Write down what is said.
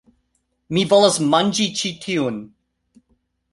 Mi volas manĝi ĉi tiun